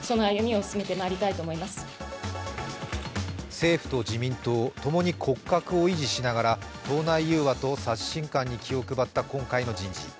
政府と自民党、ともに骨格を維持しながら党内融和と刷新感に気を配った今回の人事。